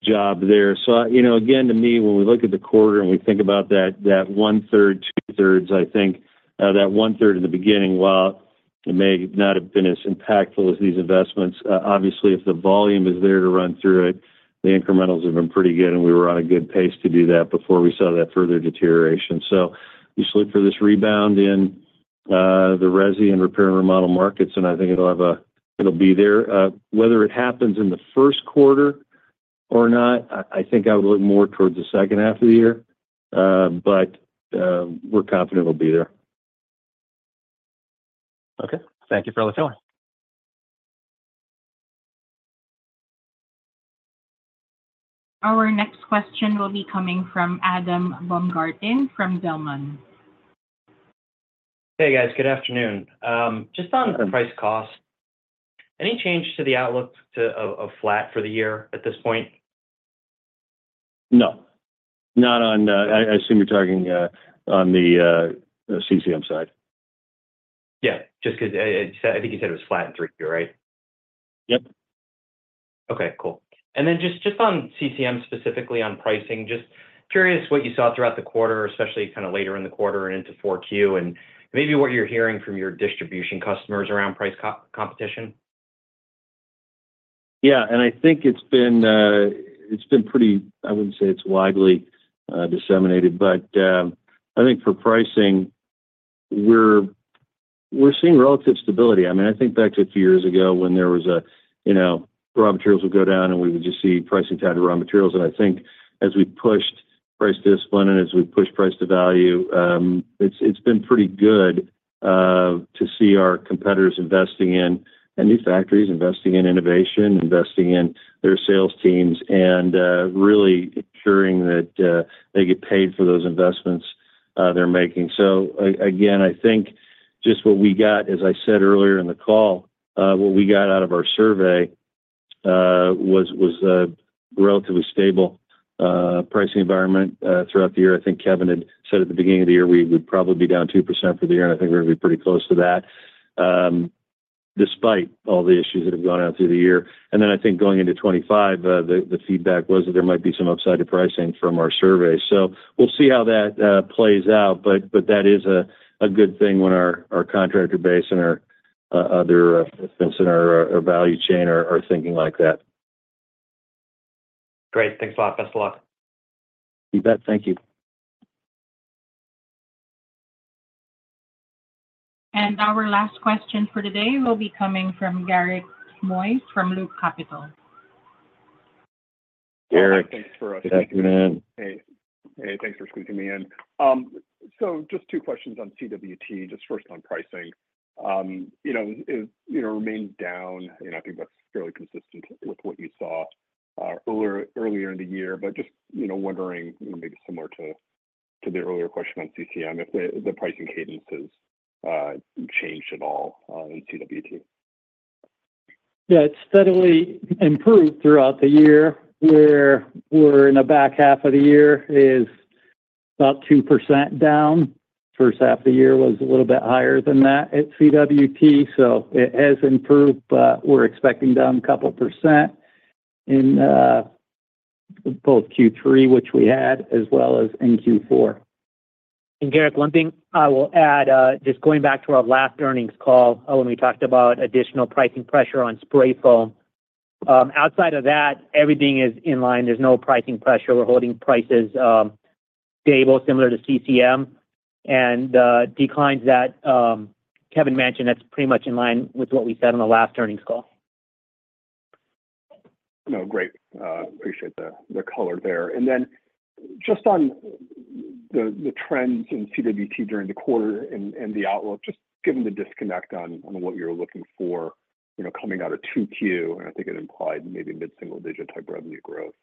job there. So, you know, again, to me, when we look at the quarter and we think about that, that one-third, two-thirds, I think, that one-third in the beginning, while it may not have been as impactful as these investments, obviously, if the volume is there to run through it, the incrementals have been pretty good, and we were on a good pace to do that before we saw that further deterioration. So we look for this rebound in the resi and repair and remodel markets, and I think it'll be there. Whether it happens in the first quarter or not, I think I would look more towards the second half of the year, but we're confident it'll be there. Okay. Thank you for all the filler. Our next question will be coming from Adam Baumgarten from Zelman. Hey, guys. Good afternoon. Just on the price cost, any change to the outlook of flat for the year at this point? No, not on. I assume you're talking on the CCM side. Yeah, just because I think you said it was flat in three, right? Yep. Okay, cool. And then just on CCM, specifically on pricing, just curious what you saw throughout the quarter, especially kind of later in the quarter and into Q4, and maybe what you're hearing from your distribution customers around price competition. Yeah, and I think it's been pretty. I wouldn't say it's widely disseminated, but I think for pricing, we're seeing relative stability. I mean, I think back to a few years ago when there was, you know, raw materials would go down, and we would just see pricing tied to raw materials. And I think as we pushed price discipline and as we pushed price to value, it's been pretty good to see our competitors investing in new factories, investing in innovation, investing in their sales teams, and really ensuring that they get paid for those investments they're making. So again, I think just what we got, as I said earlier in the call, what we got out of our survey was a relatively stable pricing environment throughout the year. I think Kevin had said at the beginning of the year, we would probably be down 2% for the year, and I think we're gonna be pretty close to that, despite all the issues that have gone on through the year. And then I think going into 2025, the feedback was that there might be some upside to pricing from our survey. So we'll see how that plays out, but that is a good thing when our contractor base and our other investments in our value chain are thinking like that. Great. Thanks a lot. Best of luck. You bet. Thank you. And our last question for today will be coming from Garik Shmois from Loop Capital. Garik, good afternoon. Hey, hey, thanks for squeezing me in. So just two questions on CWT. Just first on pricing. You know, it, you know, remained down, and I think that's fairly consistent with what you saw earlier in the year. But just, you know, wondering, you know, maybe similar to the earlier question on CCM, if the pricing cadences changed at all in CWT. Yeah, it's steadily improved throughout the year, where we're in the back half of the year is about 2% down. First half of the year was a little bit higher than that at CWT, so it has improved, but we're expecting down a couple% in both Q3, which we had, as well as in Q4. And Garik, one thing I will add, just going back to our last earnings call when we talked about additional pricing pressure on spray foam. Outside of that, everything is in line. There's no pricing pressure. We're holding prices, stable, similar to CCM, and, declines that, Kevin mentioned, that's pretty much in line with what we said on the last earnings call. No, great. Appreciate the color there. And then just on the trends in CWT during the quarter and the outlook, just given the disconnect on what you're looking for, you know, coming out of 2Q, and I think it implied maybe mid-single-digit-type revenue growth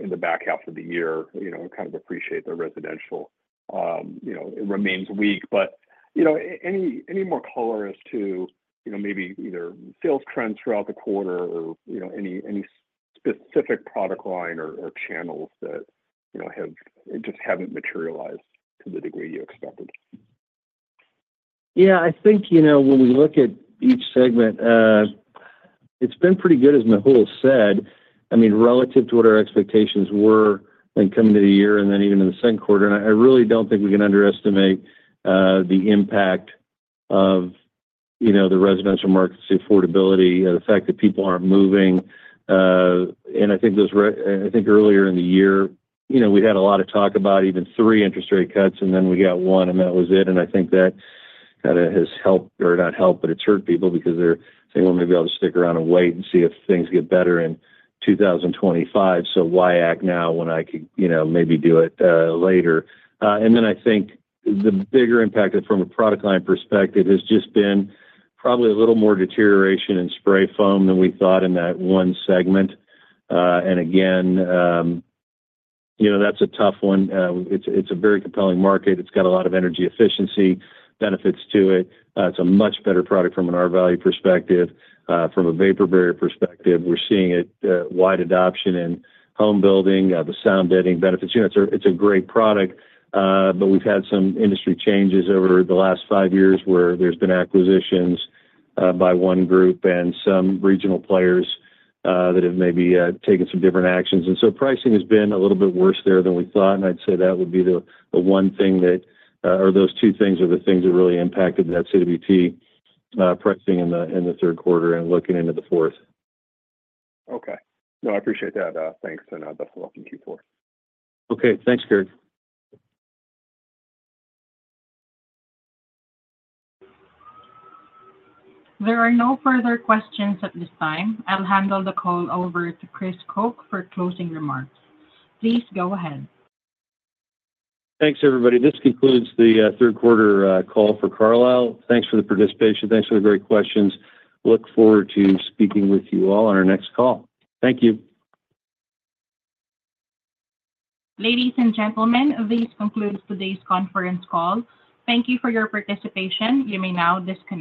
in the back half of the year. You know, we kind of appreciate the residential. You know, it remains weak, but you know, any more color as to, you know, maybe either sales trends throughout the quarter or, you know, any specific product line or channels that, you know, just haven't materialized to the degree you expected? Yeah, I think, you know, when we look at each segment, it's been pretty good, as Mehul said. I mean, relative to what our expectations were when coming into the year and then even in the second quarter. And I really don't think we can underestimate the impact of, you know, the residential market's affordability, the fact that people aren't moving. And I think earlier in the year, you know, we had a lot of talk about even three interest rate cuts, and then we got one, and that was it. And I think that kind of has helped, or not helped, but it's hurt people because they're saying, "Well, maybe I'll just stick around and wait and see if things get better in 2025. So why act now when I could, you know, maybe do it later?" Then I think the bigger impact from a product line perspective has just been probably a little more deterioration in spray foam than we thought in that one segment. And again, you know, that's a tough one. It's a very compelling market. It's got a lot of energy efficiency benefits to it. It's a much better product from an R-value perspective. From a vapor barrier perspective, we're seeing widespread adoption in home building, the sound abatement benefits. You know, it's a great product, but we've had some industry changes over the last five years, where there's been acquisitions by one group and some regional players that have maybe taken some different actions. And so pricing has been a little bit worse there than we thought, and I'd say that would be the one thing that or those two things are the things that really impacted that CWT pricing in the third quarter and looking into the fourth. Okay. No, I appreciate that. Thanks, and best of luck in Q4. Okay. Thanks, Garik. There are no further questions at this time. I'll hand the call over to Chris Koch for closing remarks. Please go ahead. Thanks, everybody. This concludes the third quarter call for Carlisle. Thanks for the participation. Thanks for the great questions. Look forward to speaking with you all on our next call. Thank you. Ladies and gentlemen, this concludes today's conference call. Thank you for your participation. You may now disconnect.